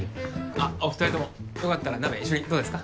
あっお二人ともよかったら鍋一緒にどうですか？